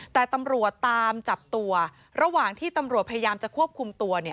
แต่ตำรวจตามจับตัวระหว่างที่ตำรวจพยายามจะควบคุมตัวเนี่ย